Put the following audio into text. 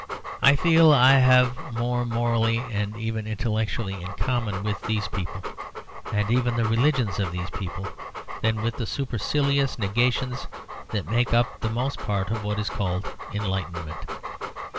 I feel I have more morally and even intellectually in common with these people, and even the religions of these people, than with the supercilious negations that make up the most part of what is called enlightenment.